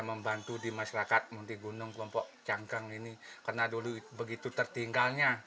membantu di masyarakat munti gunung kelompok cangkang ini karena dulu begitu tertinggalnya